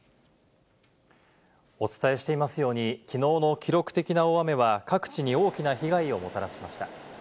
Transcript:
お伝えしていますように、きのうの記録的な大雨は、各地に大きな被害をもたらしました。